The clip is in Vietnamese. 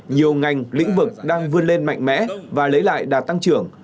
nhiều ngành lĩnh vực đang vươn lên mạnh mẽ và lấy lại đạt tăng trưởng